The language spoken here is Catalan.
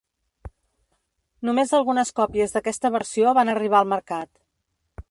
Només algunes còpies d'aquesta versió van arribar al mercat.